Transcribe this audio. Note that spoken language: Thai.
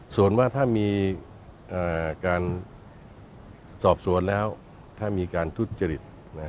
ส่วนว่าถ้ามีการสอบสวนแล้วถ้ามีการทุจริต